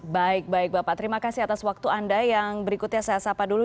baik baik bapak terima kasih atas waktu anda yang berikutnya saya sapa dulu